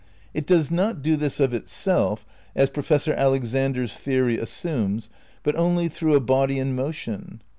It does not do this of itself, as Professor Alexander's theory assumes, but only through a body in motion.